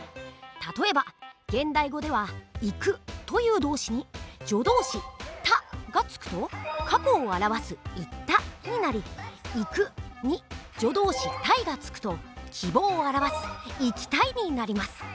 例えば現代語では「行く」という動詞に助動詞「た」がつくと過去を表す「行った」になり「行く」に助動詞「たい」がつくと希望を表す「行きたい」になります。